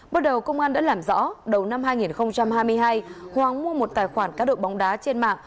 bước đầu công an đã làm rõ đầu năm hai nghìn hai mươi hai hoàng mua một tài khoản cá độ bóng đá trên mạng